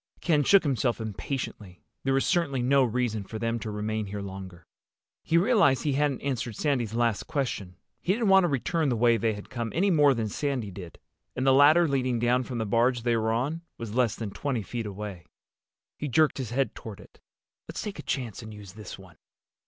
Ken shook himself impatiently. There was certainly no reason for them to remain here longer. He realized that he hadn't answered Sandy's last question. He didn't want to return the way they had come any more than Sandy did. And the ladder leading down from the barge they were on was less than twenty feet away. He jerked his head toward it. "Let's take a chance and use this one."